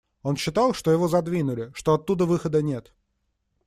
Он считал, что его задвинули, что оттуда выхода нет